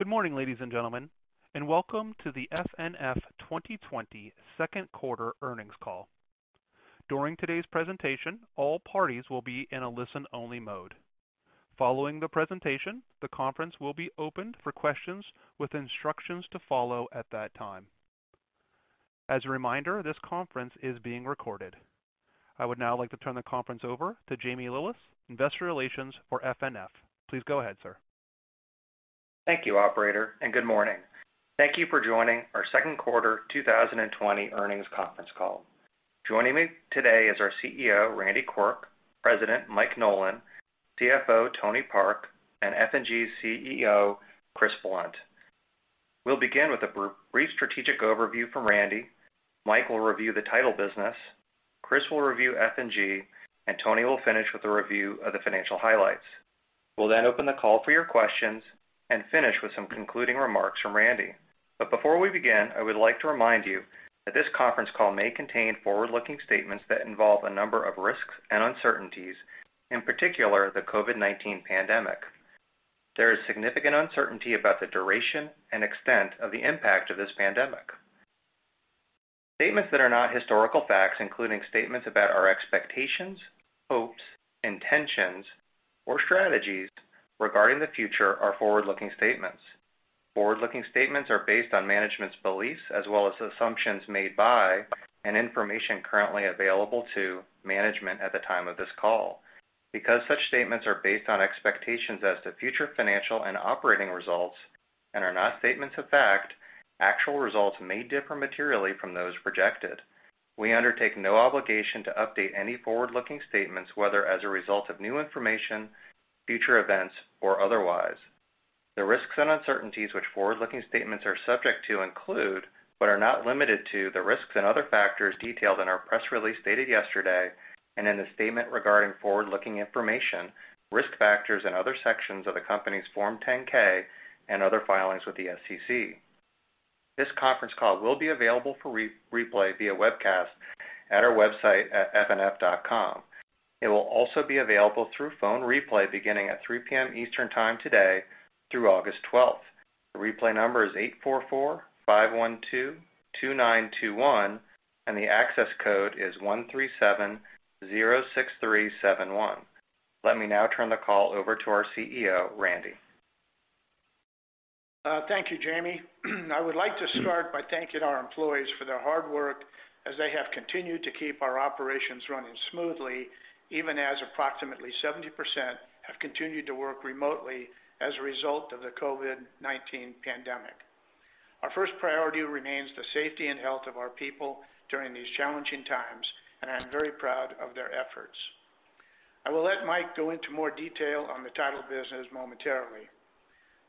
Good morning, ladies and gentlemen, and welcome to the FNF 2020 Second Quarter Earnings Call. During today's presentation, all parties will be in a listen-only mode. Following the presentation, the conference will be open for questions with instructions to follow at that time. As a reminder, this conference is being recorded. I would now like to turn the conference over to Jamie Lillis, Investor Relations for FNF. Please go ahead, sir. Thank you, Operator, and good morning. Thank you for joining our second quarter 2020 earnings conference call. Joining me today is our CEO, Randy Quirk; President, Mike Nolan; CFO, Tony Park; and F&G CEO, Chris Blunt. We'll begin with a brief strategic overview from Randy. Mike will review the title business. Chris will review F&G, and Tony will finish with a review of the financial highlights. We'll then open the call for your questions and finish with some concluding remarks from Randy. But before we begin, I would like to remind you that this conference call may contain forward-looking statements that involve a number of risks and uncertainties, in particular the COVID-19 pandemic. There is significant uncertainty about the duration and extent of the impact of this pandemic. Statements that are not historical facts, including statements about our expectations, hopes, intentions, or strategies regarding the future, are forward-looking statements. Forward-looking statements are based on management's beliefs as well as assumptions made by and information currently available to management at the time of this call. Because such statements are based on expectations as to future financial and operating results and are not statements of fact, actual results may differ materially from those projected. We undertake no obligation to update any forward-looking statements, whether as a result of new information, future events, or otherwise. The risks and uncertainties which forward-looking statements are subject to include, but are not limited to, the risks and other factors detailed in our press release dated yesterday and in the statement regarding forward-looking information, risk factors, and other sections of the company's Form 10-K and other filings with the SEC. This conference call will be available for replay via webcast at our website at fnf.com. It will also be available through phone replay beginning at 3:00 P.M. Eastern Time today through August 12th. The replay number is 844-512-2921, and the access code is 137-06371. Let me now turn the call over to our CEO, Randy. Thank you, Jamie. I would like to start by thanking our employees for their hard work as they have continued to keep our operations running smoothly, even as approximately 70% have continued to work remotely as a result of the COVID-19 pandemic. Our first priority remains the safety and health of our people during these challenging times, and I'm very proud of their efforts. I will let Mike go into more detail on the title business momentarily.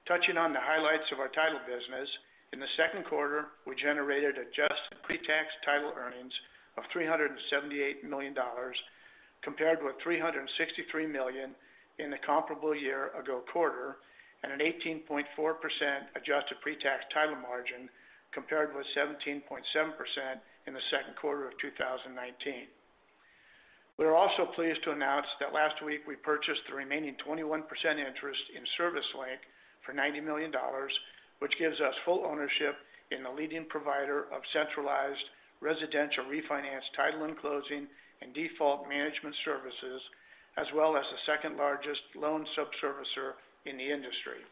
Touching on the highlights of our title business, in the second quarter, we generated adjusted pre-tax title earnings of $378 million, compared with $363 million in the comparable year ago quarter, and an 18.4% adjusted pre-tax title margin, compared with 17.7% in the second quarter of 2019. We are also pleased to announce that last week we purchased the remaining 21% interest in ServiceLink for $90 million, which gives us full ownership in the leading provider of centralized residential refinance title closing and default management services, as well as the second largest loan sub-servicer in the industry.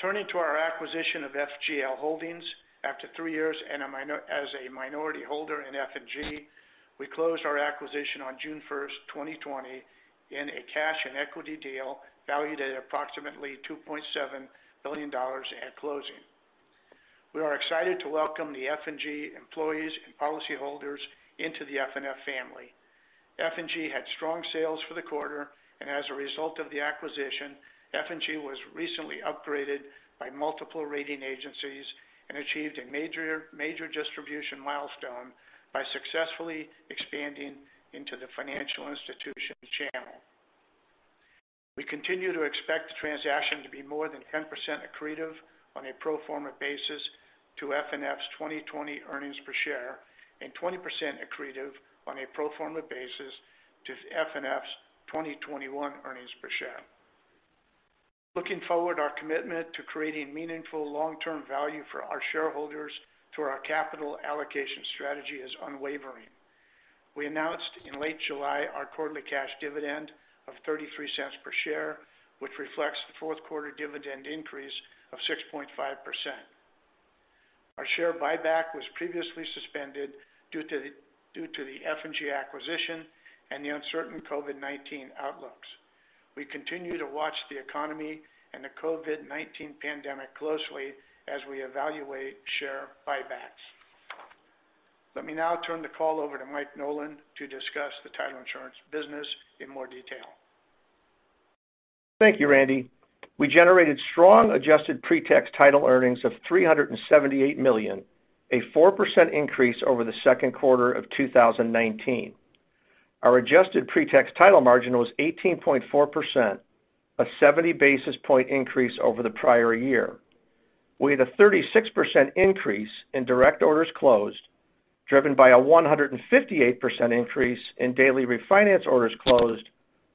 Turning to our acquisition of FGL Holdings, after three years as a minority holder in F&G, we closed our acquisition on June 1st, 2020, in a cash and equity deal valued at approximately $2.7 billion at closing. We are excited to welcome the F&G employees and policyholders into the FNF family. F&G had strong sales for the quarter, and as a result of the acquisition, F&G was recently upgraded by multiple rating agencies and achieved a major distribution milestone by successfully expanding into the financial institution channel. We continue to expect the transaction to be more than 10% accretive on a pro forma basis to FNF's 2020 earnings per share and 20% accretive on a pro forma basis to FNF's 2021 earnings per share. Looking forward, our commitment to creating meaningful long-term value for our shareholders through our capital allocation strategy is unwavering. We announced in late July our quarterly cash dividend of $0.33 per share, which reflects the fourth quarter dividend increase of 6.5%. Our share buyback was previously suspended due to the F&G acquisition and the uncertain COVID-19 outlooks. We continue to watch the economy and the COVID-19 pandemic closely as we evaluate share buybacks. Let me now turn the call over to Mike Nolan to discuss the title insurance business in more detail. Thank you, Randy. We generated strong adjusted pre-tax title earnings of $378 million, a 4% increase over the second quarter of 2019. Our adjusted pre-tax title margin was 18.4%, a 70 basis point increase over the prior year. We had a 36% increase in direct orders closed, driven by a 158% increase in daily refinance orders closed,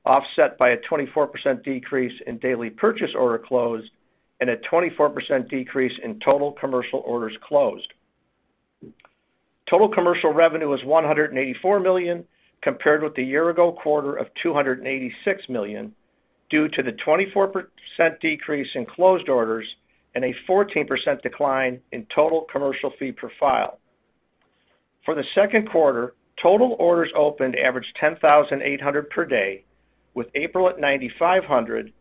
offset by a 24% decrease in daily purchase order closed, and a 24% decrease in total commercial orders closed. Total commercial revenue was $184 million, compared with the year-ago quarter of $286 million, due to the 24% decrease in closed orders and a 14% decline in total commercial fee per file. For the second quarter, total orders opened averaged $10,800 per day, with April at $9,500,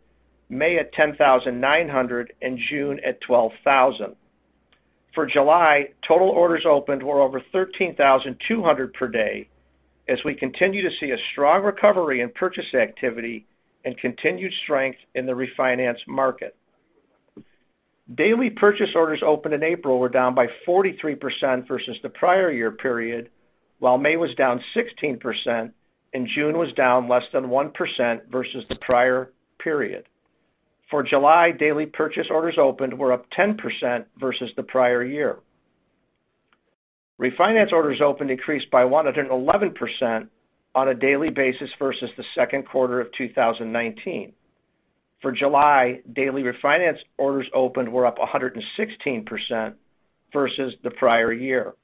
May at $10,900, and June at $12,000. For July, total orders opened were over $13,200 per day, as we continue to see a strong recovery in purchase activity and continued strength in the refinance market. Daily purchase orders opened in April were down by 43% versus the prior year period, while May was down 16%, and June was down less than 1% versus the prior period. For July, daily purchase orders opened were up 10% versus the prior year. Refinance orders opened increased by 111% on a daily basis versus the second quarter of 2019. For July, daily refinance orders opened were up 116% versus the prior year.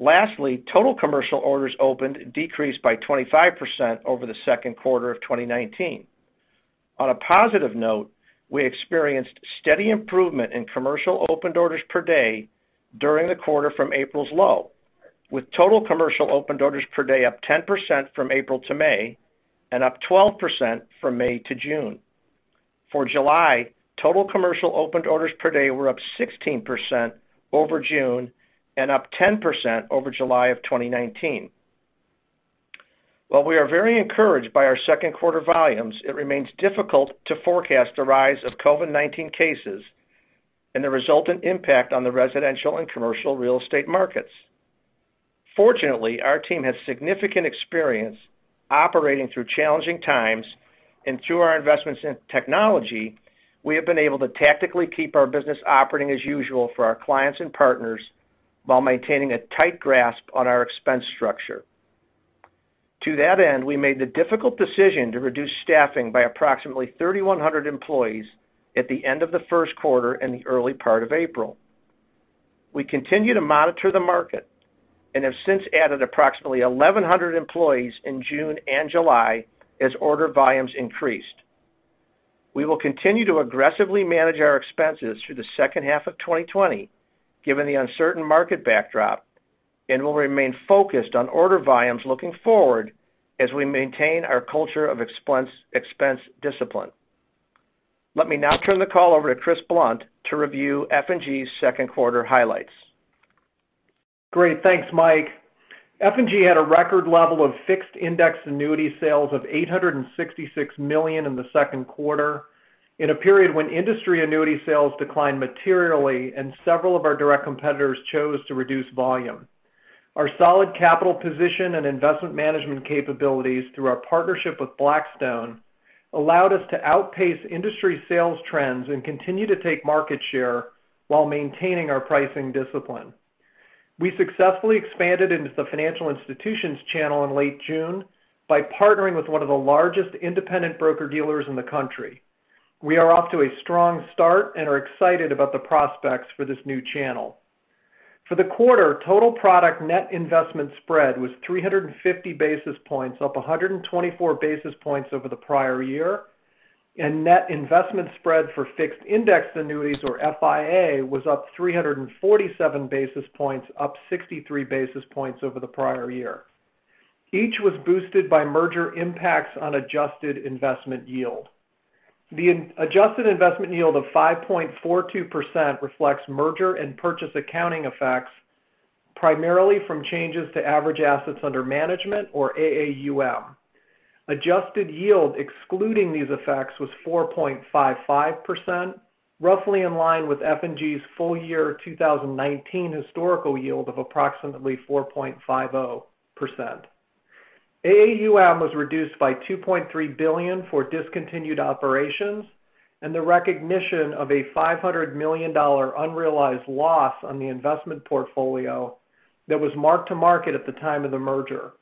Lastly, total commercial orders opened decreased by 25% over the second quarter of 2019. On a positive note, we experienced steady improvement in commercial opened orders per day during the quarter from April's low, with total commercial opened orders per day up 10% from April to May and up 12% from May to June. For July, total commercial opened orders per day were up 16% over June and up 10% over July of 2019. While we are very encouraged by our second quarter volumes, it remains difficult to forecast the rise of COVID-19 cases and the resultant impact on the residential and commercial real estate markets. Fortunately, our team has significant experience operating through challenging times, and through our investments in technology, we have been able to tactically keep our business operating as usual for our clients and partners while maintaining a tight grasp on our expense structure. To that end, we made the difficult decision to reduce staffing by approximately 3,100 employees at the end of the first quarter and the early part of April. We continue to monitor the market and have since added approximately 1,100 employees in June and July as order volumes increased. We will continue to aggressively manage our expenses through the second half of 2020, given the uncertain market backdrop, and will remain focused on order volumes looking forward as we maintain our culture of expense discipline. Let me now turn the call over to Chris Blunt to review F&G's second quarter highlights. Great. Thanks, Mike. F&G had a record level of fixed index annuity sales of $866 million in the second quarter, in a period when industry annuity sales declined materially and several of our direct competitors chose to reduce volume. Our solid capital position and investment management capabilities through our partnership with Blackstone allowed us to outpace industry sales trends and continue to take market share while maintaining our pricing discipline. We successfully expanded into the financial institutions channel in late June by partnering with one of the largest independent broker-dealers in the country. We are off to a strong start and are excited about the prospects for this new channel. For the quarter, total product net investment spread was 350 basis points, up 124 basis points over the prior year, and net investment spread for fixed index annuities, or FIA, was up 347 basis points, up 63 basis points over the prior year. Each was boosted by merger impacts on adjusted investment yield. The adjusted investment yield of 5.42% reflects merger and purchase accounting effects, primarily from changes to Average Assets Under Management, or AAUM. Adjusted yield excluding these effects was 4.55%, roughly in line with FNF's full year 2019 historical yield of approximately 4.50%. AAUM was reduced by $2.3 billion for discontinued operations and the recognition of a $500 million unrealized loss on the investment portfolio that was marked to market at the time of the merger.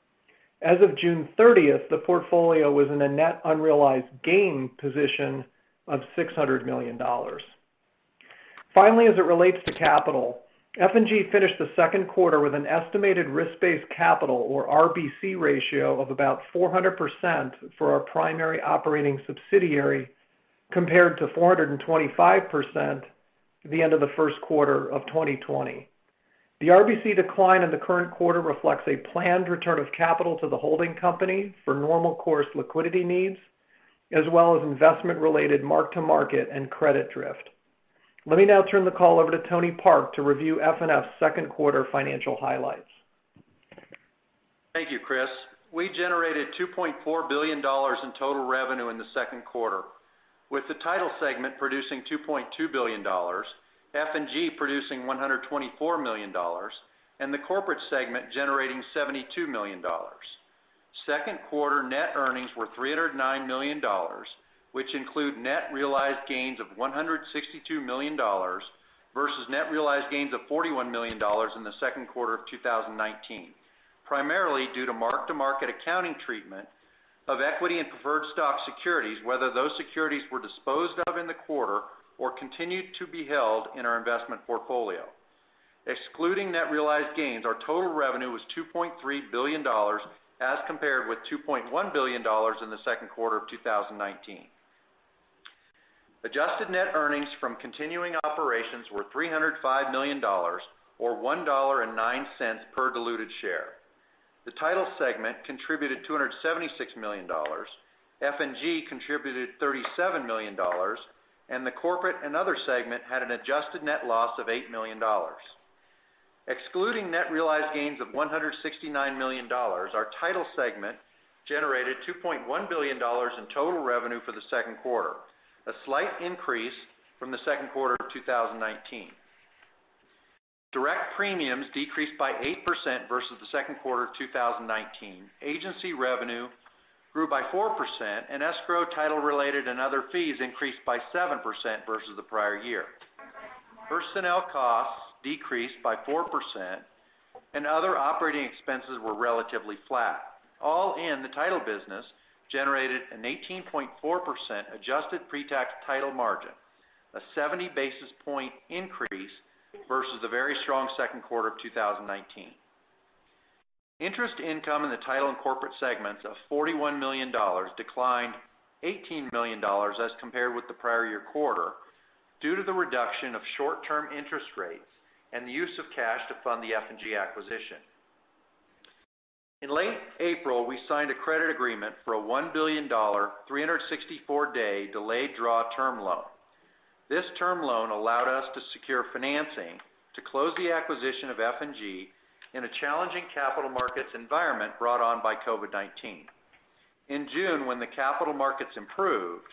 As of June 30th, the portfolio was in a net unrealized gain position of $600 million. Finally, as it relates to capital, F&G finished the second quarter with an estimated Risk-Based Capital, or RBC, ratio of about 400% for our primary operating subsidiary, compared to 425% at the end of the first quarter of 2020. The RBC decline in the current quarter reflects a planned return of capital to the holding company for normal course liquidity needs, as well as investment-related mark-to-market and credit drift. Let me now turn the call over to Tony Park to review FNF's second quarter financial highlights. Thank you, Chris. We generated $2.4 billion in total revenue in the second quarter, with the title segment producing $2.2 billion, F&G producing $124 million, and the corporate segment generating $72 million. Second quarter net earnings were $309 million, which include net realized gains of $162 million versus net realized gains of $41 million in the second quarter of 2019, primarily due to Mark-to-Market accounting treatment of equity and preferred stock securities, whether those securities were disposed of in the quarter or continued to be held in our investment portfolio. Excluding net realized gains, our total revenue was $2.3 billion, as compared with $2.1 billion in the second quarter of 2019. Adjusted net earnings from continuing operations were $305 million, or $1.09 per diluted share. The title segment contributed $276 million, F&G contributed $37 million, and the corporate and other segment had an adjusted net loss of $8 million. Excluding net realized gains of $169 million, our title segment generated $2.1 billion in total revenue for the second quarter, a slight increase from the second quarter of 2019. Direct premiums decreased by 8% versus the second quarter of 2019. Agency revenue grew by 4%, and escrow, title-related, and other fees increased by 7% versus the prior year. Personnel costs decreased by 4%, and other operating expenses were relatively flat. All in, the title business generated an 18.4% adjusted pre-tax title margin, a 70 basis point increase versus the very strong second quarter of 2019. Interest income in the title and corporate segments of $41 million declined $18 million as compared with the prior year quarter, due to the reduction of short-term interest rates and the use of cash to fund the F&G acquisition. In late April, we signed a credit agreement for a $1 billion, 364-day delayed draw term loan. This term loan allowed us to secure financing to close the acquisition of F&G in a challenging capital markets environment brought on by COVID-19. In June, when the capital markets improved,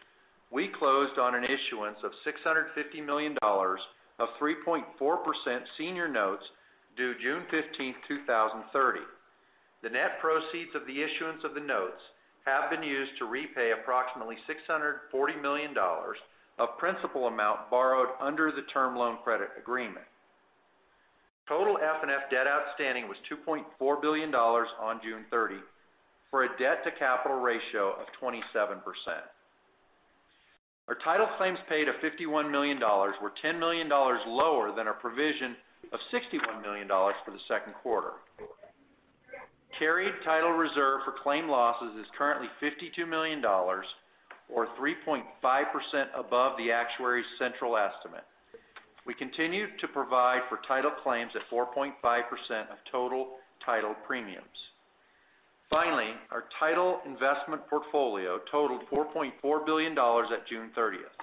we closed on an issuance of $650 million of 3.4% senior notes due June 15th, 2030. The net proceeds of the issuance of the notes have been used to repay approximately $640 million of principal amount borrowed under the term loan credit agreement. Total FNF debt outstanding was $2.4 billion on June 30 for a debt-to-capital ratio of 27%. Our title claims paid of $51 million were $10 million lower than our provision of $61 million for the second quarter. Carried title reserve for claim losses is currently $52 million, or 3.5% above the actuary's central estimate. We continue to provide for title claims at 4.5% of total title premiums. Finally, our title investment portfolio totaled $4.4 billion at June 30th.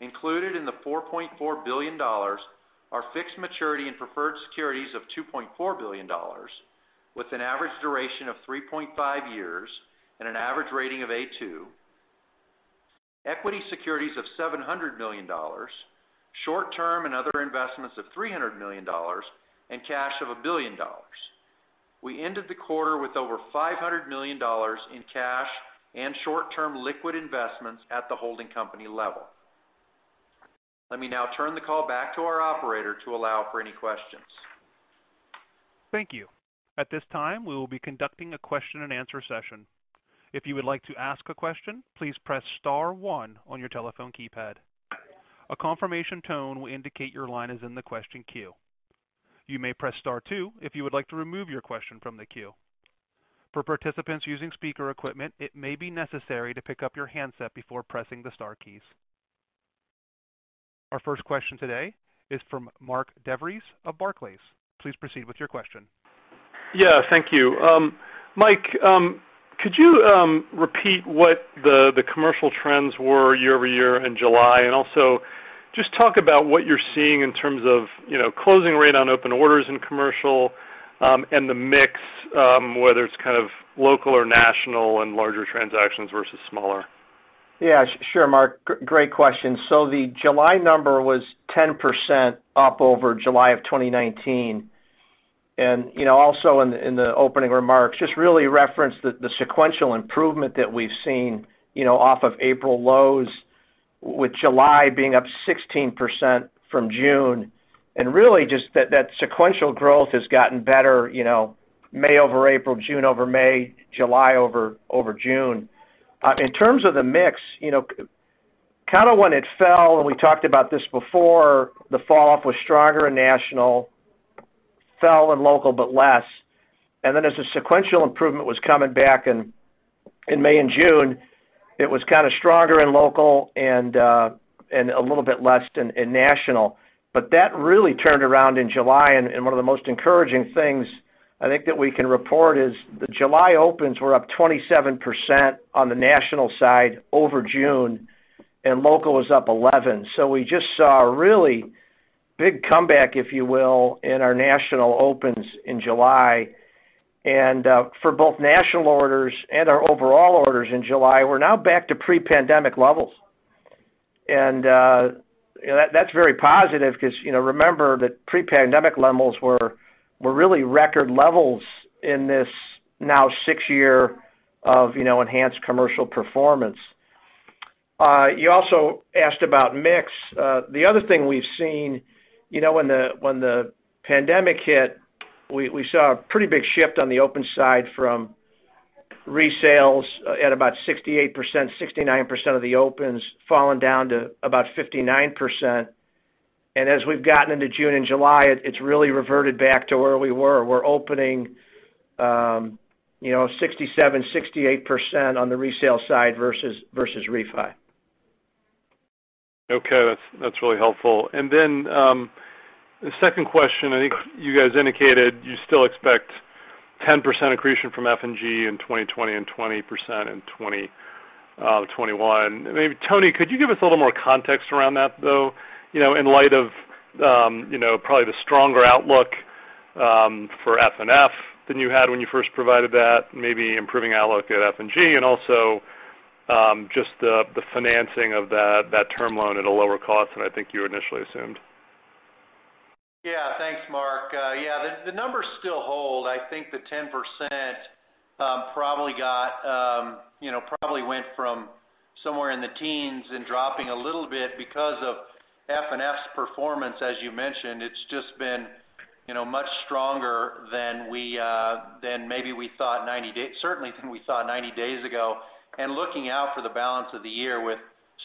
Included in the $4.4 billion are fixed maturity and preferred securities of $2.4 billion, with an average duration of 3.5 years and an average rating of A2, equity securities of $700 million, short-term and other investments of $300 million, and cash of $1 billion. We ended the quarter with over $500 million in cash and short-term liquid investments at the holding company level. Let me now turn the call back to our operator to allow for any questions. Thank you. At this time, we will be conducting a question-and-answer session. If you would like to ask a question, please press star one on your telephone keypad. A confirmation tone will indicate your line is in the question queue. You may press star two if you would like to remove your question from the queue. For participants using speaker equipment, it may be necessary to pick up your handset before pressing the star keys. Our first question today is from Mark DeVries of Barclays. Please proceed with your question. Yeah, thank you. Mike, could you repeat what the commercial trends were year-over-year in July, and also just talk about what you're seeing in terms of closing rate on open orders in commercial and the mix, whether it's kind of local or national and larger transactions versus smaller? Yeah, sure, Mark. Great question. So the July number was 10% up over July of 2019. And also in the opening remarks, just really referenced the sequential improvement that we've seen off of April lows, with July being up 16% from June. And really, just that sequential growth has gotten better May over April, June over May, July over June. In terms of the mix, kind of when it fell, and we talked about this before, the falloff was stronger in national, fell in local but less. And then as the sequential improvement was coming back in May and June, it was kind of stronger in local and a little bit less in national. But that really turned around in July. And one of the most encouraging things I think that we can report is the July opens were up 27% on the national side over June, and local was up 11. So we just saw a really big comeback, if you will, in our national opens in July. And for both national orders and our overall orders in July, we're now back to pre-pandemic levels. And that's very positive because remember that pre-pandemic levels were really record levels in this now sixTyear of enhanced commercial performance. You also asked about mix. The other thing we've seen, when the pandemic hit, we saw a pretty big shift on the open side from resales at about 68%, 69% of the opens, falling down to about 59%. And as we've gotten into June and July, it's really reverted back to where we were. We're opening 67, 68% on the resale side versus refi. Okay. That's really helpful. And then the second question, I think you guys indicated you still expect 10% accretion from F&G in 2020 and 20% in 2021. Tony, could you give us a little more context around that, though, in light of probably the stronger outlook for FNF than you had when you first provided that, maybe improving outlook at F&G, and also just the financing of that term loan at a lower cost than I think you initially assumed? Yeah. Thanks, Mark. Yeah, the numbers still hold. I think the 10% probably went from somewhere in the teens and dropping a little bit because of FNF's performance, as you mentioned. It's just been much stronger than maybe we thought, certainly than we thought 90 days ago. And looking out for the balance of the year with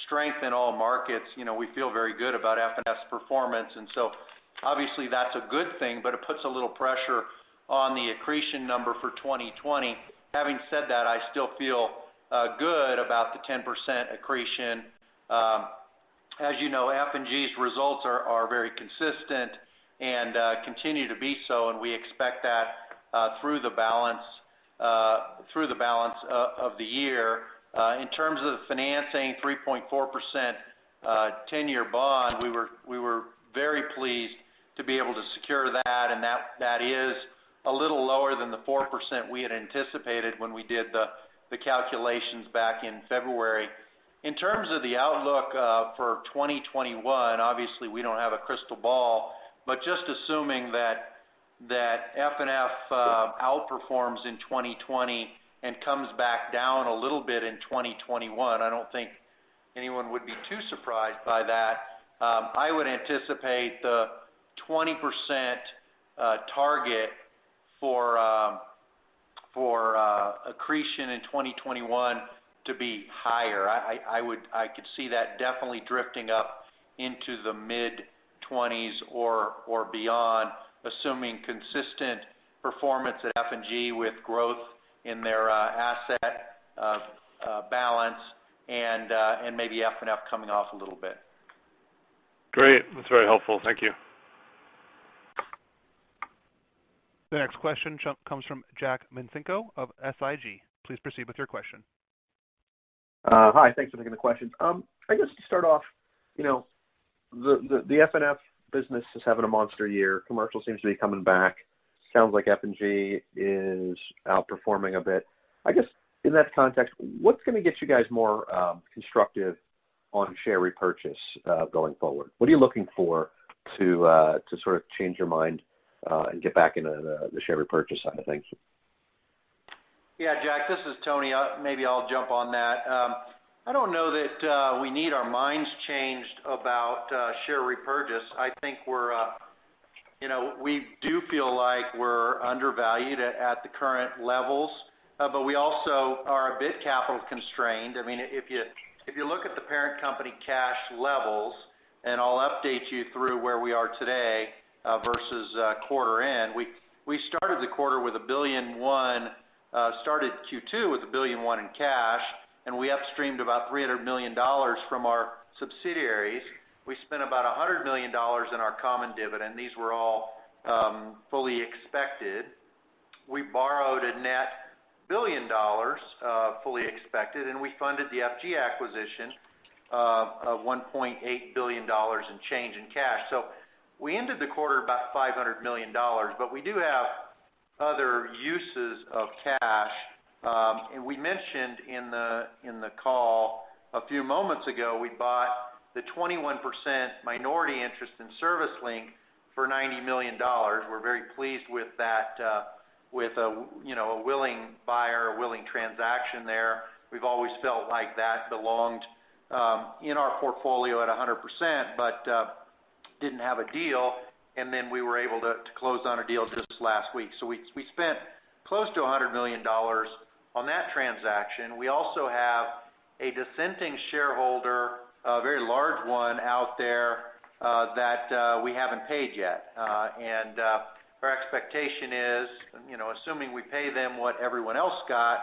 strength in all markets, we feel very good about FNF's performance. And so obviously, that's a good thing, but it puts a little pressure on the accretion number for 2020. Having said that, I still feel good about the 10% accretion. As you know, F&G's results are very consistent and continue to be so, and we expect that through the balance of the year. In terms of the financing, 3.4% 10-year bond, we were very pleased to be able to secure that. That is a little lower than the 4% we had anticipated when we did the calculations back in February. In terms of the outlook for 2021, obviously, we don't have a crystal ball, but just assuming that FNF outperforms in 2020 and comes back down a little bit in 2021, I don't think anyone would be too surprised by that. I would anticipate the 20% target for accretion in 2021 to be higher. I could see that definitely drifting up into the mid-20s or beyond, assuming consistent performance at F&G with growth in their asset balance and maybe FNF coming off a little bit. Great. That's very helpful. Thank you. The next question comes from Jack Micenko of SIG. Please proceed with your question. Hi. Thanks for taking the questions. I guess to start off, the FNF business is having a monster year. Commercial seems to be coming back. Sounds like F&G is outperforming a bit. I guess in that context, what's going to get you guys more constructive on share repurchase going forward? What are you looking for to sort of change your mind and get back into the share repurchase side of things? Yeah, Jack, this is Tony. Maybe I'll jump on that. I don't know that we need our minds changed about share repurchase. I think we do feel like we're undervalued at the current levels, but we also are a bit capital constrained. I mean, if you look at the parent company cash levels, and I'll update you through where we are today versus quarter end, we started the quarter with $1.1 billion, started Q2 with $1.1 billion in cash, and we upstreamed about $300 million from our subsidiaries. We spent about $100 million in our common dividend. These were all fully expected. We borrowed a net $1 billion fully expected, and we funded the F&G acquisition of $1.8 billion and change in cash. So we ended the quarter at about $500 million, but we do have other uses of cash. And we mentioned in the call a few moments ago, we bought the 21% minority interest in ServiceLink for $90 million. We're very pleased with that, with a willing buyer, a willing transaction there. We've always felt like that belonged in our portfolio at 100%, but didn't have a deal. And then we were able to close on a deal just last week. So we spent close to $100 million on that transaction. We also have a dissenting shareholder, a very large one out there that we haven't paid yet. And our expectation is, assuming we pay them what everyone else got,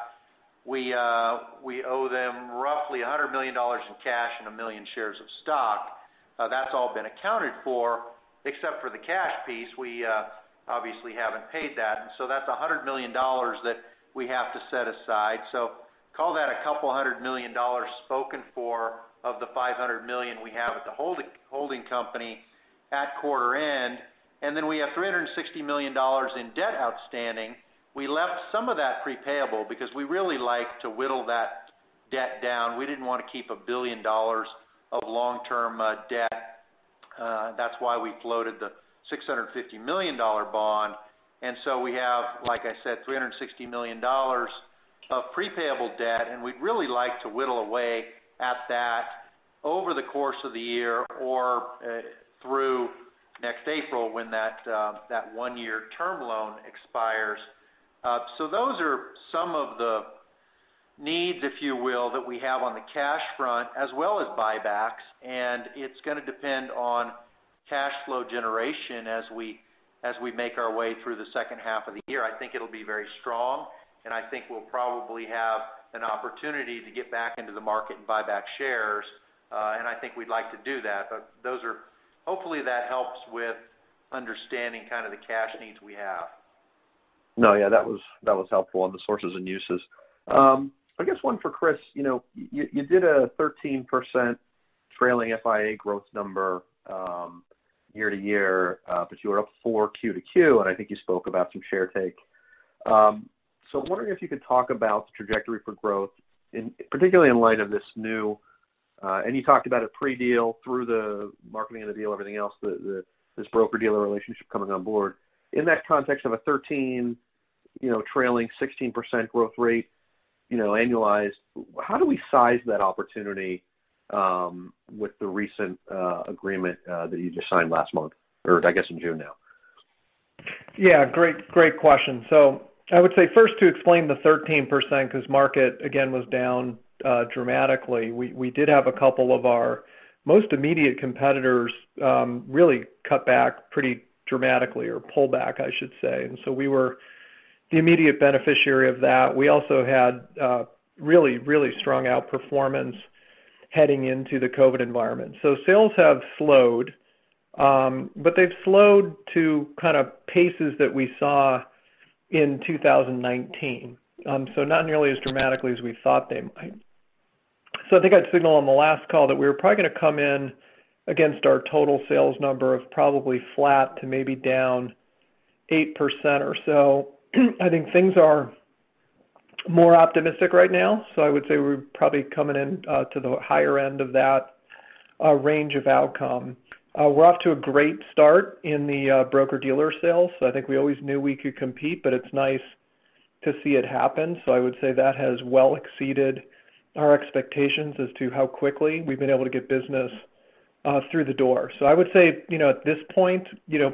we owe them roughly $100 million in cash and a million shares of stock. That's all been accounted for, except for the cash piece. We obviously haven't paid that. And so that's $100 million that we have to set aside. So call that $200 million spoken for of the $500 million we have at the holding company at quarter end. And then we have $360 million in debt outstanding. We left some of that prepayable because we really like to whittle that debt down. We didn't want to keep $1 billion of long-term debt. That's why we floated the $650 million bond. And so we have, like I said, $360 million of prepayable debt, and we'd really like to whittle away at that over the course of the year or through next April when that one-year term loan expires. So those are some of the needs, if you will, that we have on the cash front, as well as buybacks. And it's going to depend on cash flow generation as we make our way through the second half of the year. I think it'll be very strong, and I think we'll probably have an opportunity to get back into the market and buy back shares. And I think we'd like to do that. But hopefully, that helps with understanding kind of the cash needs we have. No, yeah, that was helpful on the sources and uses. I guess one for Chris. You did a 13% trailing FIA growth number year-to-year, but you were up four Q-to-Q, and I think you spoke about some share take. So I'm wondering if you could talk about the trajectory for growth, particularly in light of this new, and you talked about a pre-deal through the marketing and the deal, everything else, this broker-dealer relationship coming on board. In that context of a 13 trailing 16% growth rate annualized, how do we size that opportunity with the recent agreement that you just signed last month, or I guess in June now? Yeah, great question. So I would say first to explain the 13% because the market, again, was down dramatically. We did have a couple of our most immediate competitors really cut back pretty dramatically, or pull back, I should say. And so we were the immediate beneficiary of that. We also had really, really strong outperformance heading into the COVID environment. So sales have slowed, but they've slowed to kind of paces that we saw in 2019, so not nearly as dramatically as we thought they might. So I think I'd signal on the last call that we were probably going to come in against our total sales number of probably flat to maybe down 8% or so. I think things are more optimistic right now. So I would say we're probably coming into the higher end of that range of outcome. We're off to a great start in the broker-dealer sales. I think we always knew we could compete, but it's nice to see it happen. So I would say that has well exceeded our expectations as to how quickly we've been able to get business through the door. So I would say at this point,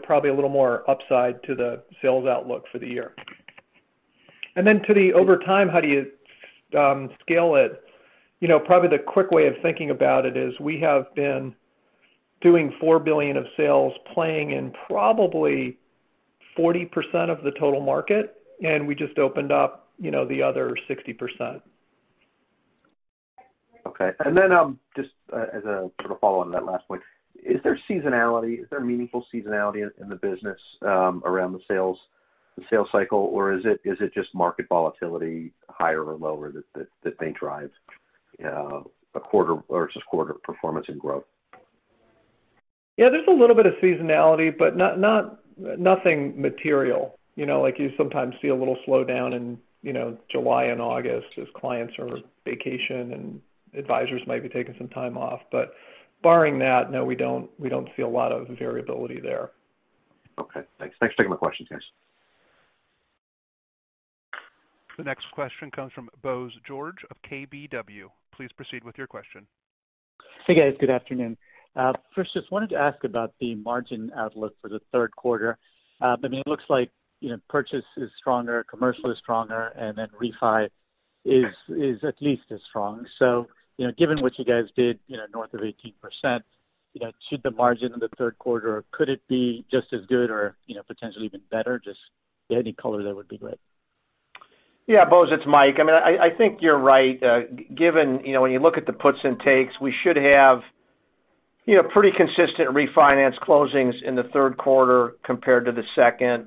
probably a little more upside to the sales outlook for the year. And then to the overtime, how do you scale it? Probably the quick way of thinking about it is we have been doing four billion of sales, playing in probably 40% of the total market, and we just opened up the other 60%. Okay, and then just as a sort of follow-on to that last point, is there seasonality? Is there meaningful seasonality in the business around the sales cycle, or is it just market volatility, higher or lower, that they drive a quarter versus quarter performance and growth? Yeah, there's a little bit of seasonality, but nothing material. You sometimes see a little slowdown in July and August as clients are on vacation and advisors might be taking some time off. But barring that, no, we don't see a lot of variability there. Okay. Thanks. Thanks for taking my questions, guys. The next question comes from Bose George of KBW. Please proceed with your question. Hey, guys. Good afternoon. First, just wanted to ask about the margin outlook for the third quarter. I mean, it looks like purchase is stronger, commercial is stronger, and then refi is at least as strong. So given what you guys did, north of 18%, should the margin in the third quarter could it be just as good or potentially even better? Just any color that would be great. Yeah, Bose, it's Mike. I mean, I think you're right. Given when you look at the puts and takes, we should have pretty consistent refinance closings in the third quarter compared to the second.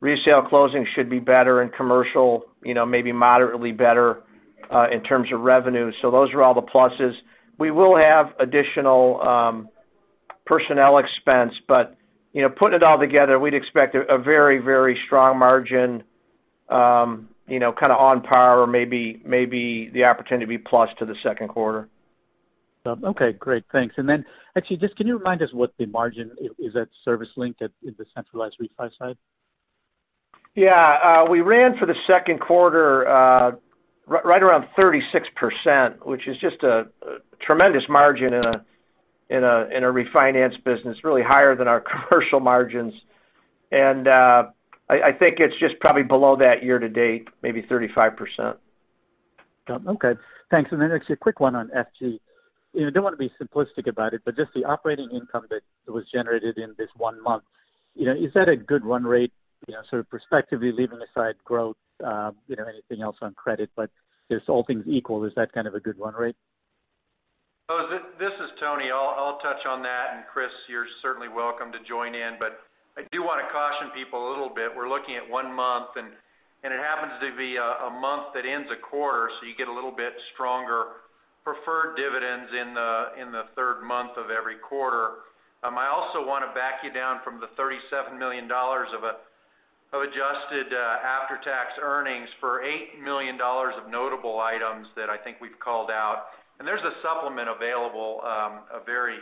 Resale closings should be better in commercial, maybe moderately better in terms of revenue. So those are all the pluses. We will have additional personnel expense, but putting it all together, we'd expect a very, very strong margin, kind of on par, or maybe the opportunity to be plus to the second quarter. Okay. Great. Thanks. And then actually, just can you remind us what the margin is at ServiceLink in the centralized refi side? Yeah. We ran for the second quarter right around 36%, which is just a tremendous margin in a refinance business, really higher than our commercial margins, and I think it's just probably below that year to date, maybe 35%. Okay. Thanks. And then actually a quick one on F&G. I don't want to be simplistic about it, but just the operating income that was generated in this one month, is that a good run rate, sort of prospectively leaving aside growth, anything else on credit, but if all things equal, is that kind of a good run rate? Bose, this is Tony. I'll touch on that. And Chris, you're certainly welcome to join in, but I do want to caution people a little bit. We're looking at one month, and it happens to be a month that ends a quarter, so you get a little bit stronger preferred dividends in the third month of every quarter. I also want to back you down from the $37 million of adjusted after-tax earnings for $8 million of notable items that I think we've called out. And there's a supplement available, a very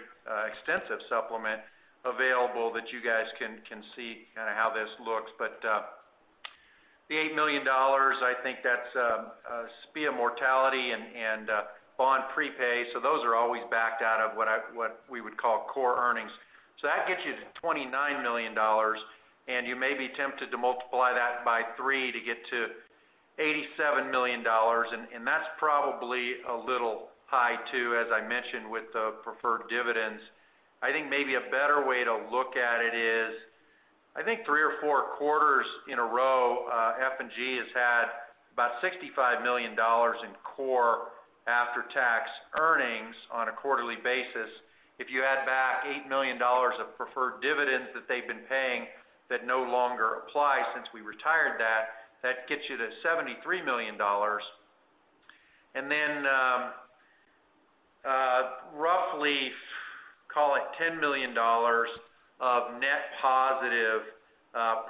extensive supplement available that you guys can see kind of how this looks. But the $8 million, I think that's SPIA mortality and bond prepay. So those are always backed out of what we would call core earnings. That gets you to $29 million, and you may be tempted to multiply that by three to get to $87 million. And that's probably a little high too, as I mentioned, with the preferred dividends. I think maybe a better way to look at it is, I think three or four quarters in a row, F&G has had about $65 million in core after-tax earnings on a quarterly basis. If you add back $8 million of preferred dividends that they've been paying that no longer apply since we retired that, that gets you to $73 million. And then roughly, call it $10 million of net positive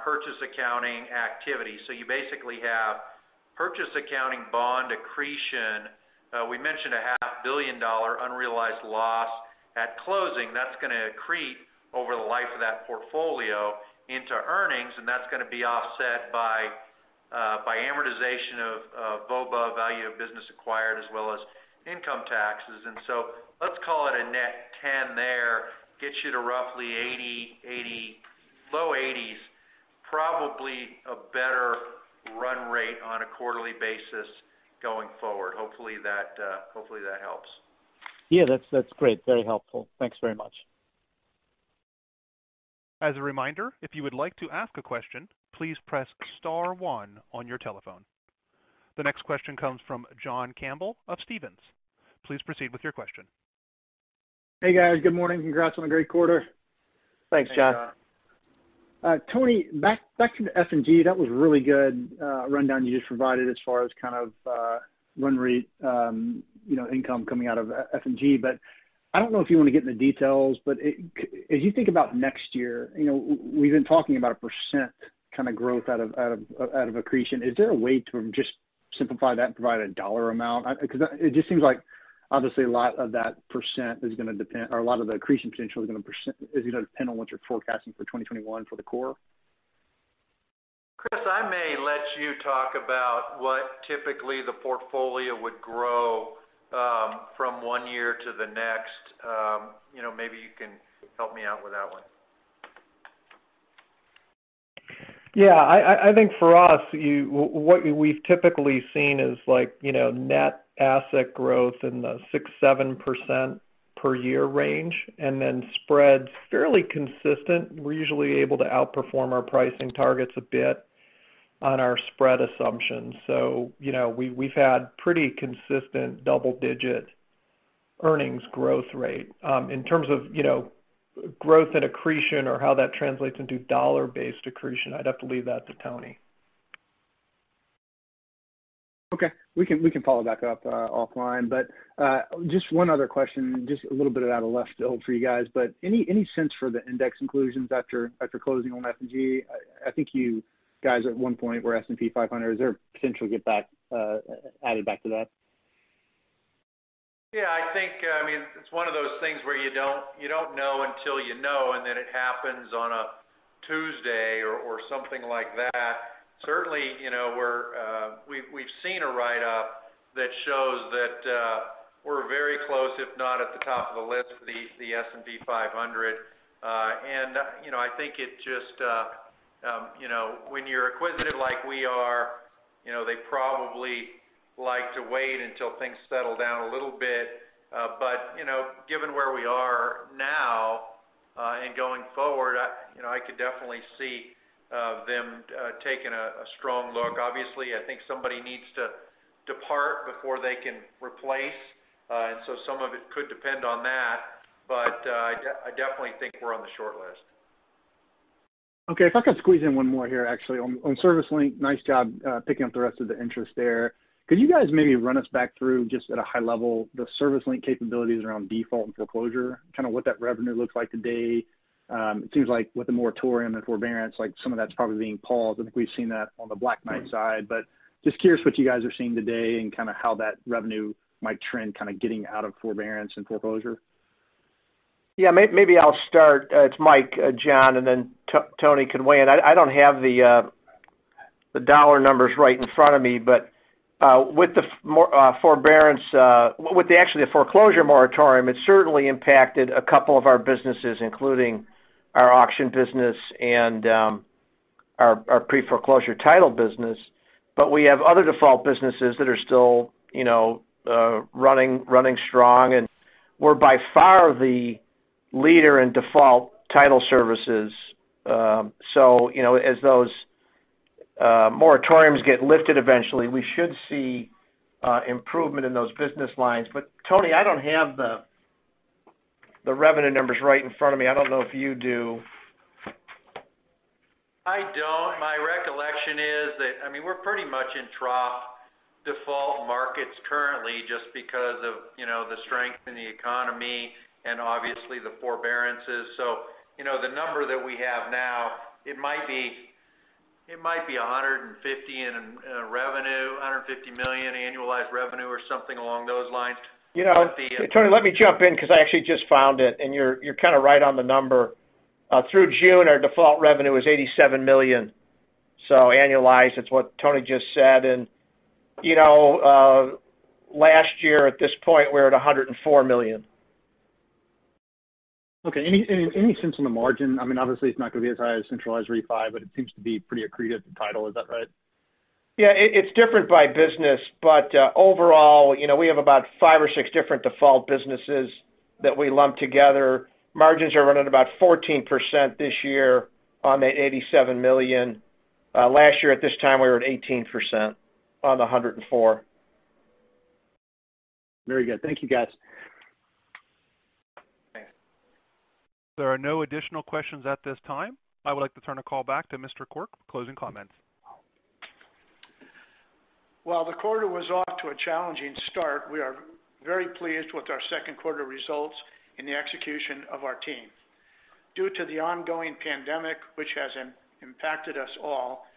purchase accounting activity. So you basically have purchase accounting bond accretion. We mentioned a $500 million unrealized loss at closing. That's going to accrete over the life of that portfolio into earnings, and that's going to be offset by amortization of VOBA, value of business acquired, as well as income taxes, and so let's call it a net 10 there. Gets you to roughly 80, low 80s, probably a better run rate on a quarterly basis going forward. Hopefully, that helps. Yeah, that's great. Very helpful. Thanks very much. As a reminder, if you would like to ask a question, please press star one on your telephone. The next question comes from John Campbell of Stephens. Please proceed with your question. Hey, guys. Good morning. Congrats on a great quarter. Thanks, Josh. Tony, back to F&G, that was a really good rundown you just provided as far as kind of run rate income coming out of F&G. But I don't know if you want to get into details, but as you think about next year, we've been talking about a % kind of growth out of accretion. Is there a way to just simplify that and provide a dollar amount? Because it just seems like obviously a lot of that % is going to depend, or a lot of the accretion potential is going to depend on what you're forecasting for 2021 for the core. Chris, I may let you talk about what typically the portfolio would grow from one year to the next. Maybe you can help me out with that one. Yeah. I think for us, what we've typically seen is net asset growth in the 6%-7% per year range, and then spreads fairly consistent. We're usually able to outperform our pricing targets a bit on our spread assumptions. So we've had pretty consistent double-digit earnings growth rate. In terms of growth and accretion or how that translates into dollar-based accretion, I'd have to leave that to Tony. Okay. We can follow back up offline. But just one other question, just a little bit out of left field for you guys, but any sense for the index inclusions after closing on F&G? I think you guys at one point were S&P 500. Is there potential to get added back to that? Yeah. I mean, it's one of those things where you don't know until you know, and then it happens on a Tuesday or something like that. Certainly, we've seen a write-up that shows that we're very close, if not at the top of the list, for the S&P 500. And I think it just, when you're acquisitive like we are, they probably like to wait until things settle down a little bit. But given where we are now and going forward, I could definitely see them taking a strong look. Obviously, I think somebody needs to depart before they can replace, and so some of it could depend on that. But I definitely think we're on the short list. Okay. If I could squeeze in one more here, actually. On ServiceLink, nice job picking up the rest of the interest there. Could you guys maybe run us back through, just at a high level, the ServiceLink capabilities around default and foreclosure, kind of what that revenue looks like today? It seems like with the moratorium and forbearance, some of that's probably being paused. I think we've seen that on the Black Knight side. But just curious what you guys are seeing today and kind of how that revenue might trend kind of getting out of forbearance and foreclosure. Yeah. Maybe I'll start. It's Mike, John, and then Tony can weigh in. I don't have the dollar numbers right in front of me, but with the forbearance, with actually the foreclosure moratorium, it certainly impacted a couple of our businesses, including our auction business and our pre-foreclosure title business. But we have other default businesses that are still running strong, and we're by far the leader in default title services. So as those moratoriums get lifted eventually, we should see improvement in those business lines. But Tony, I don't have the revenue numbers right in front of me. I don't know if you do. I don't. My recollection is that, I mean, we're pretty much in trough default markets currently just because of the strength in the economy and obviously the forbearances. So the number that we have now, it might be 150 in revenue, $150 million annualized revenue or something along those lines. Tony, let me jump in because I actually just found it, and you're kind of right on the number. Through June, our default revenue was $87 million. So annualized, it's what Tony just said. And last year, at this point, we're at $104 million. Okay. Any sense on the margin? I mean, obviously, it's not going to be as high as centralized refi, but it seems to be pretty accretive title. Is that right? Yeah. It's different by business, but overall, we have about five or six different default businesses that we lump together. Margins are running about 14% this year on that $87 million. Last year, at this time, we were at 18% on the $104 million. Very good. Thank you, guys. Thanks. There are no additional questions at this time. I would like to turn the call back to Mr. Quirk for closing comments. While the quarter was off to a challenging start, we are very pleased with our second quarter results and the execution of our team. Due to the ongoing pandemic, which has impacted us all,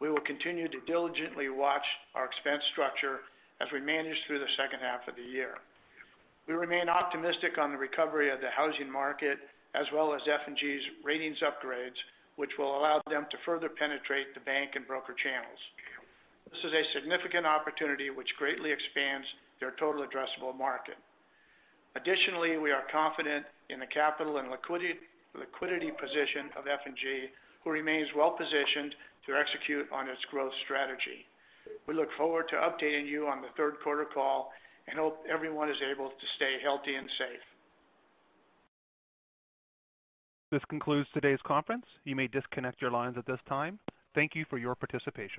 we will continue to diligently watch our expense structure as we manage through the second half of the year. We remain optimistic on the recovery of the housing market as well as F&G's ratings upgrades, which will allow them to further penetrate the bank and broker channels. This is a significant opportunity which greatly expands their total addressable market. Additionally, we are confident in the capital and liquidity position of F&G, who remains well-positioned to execute on its growth strategy. We look forward to updating you on the third quarter call and hope everyone is able to stay healthy and safe. This concludes today's conference. You may disconnect your lines at this time. Thank you for your participation.